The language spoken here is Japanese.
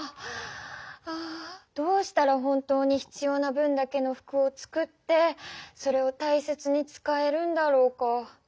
ああどうしたら本当にひつような分だけの服を作ってそれを大切に使えるんだろうか？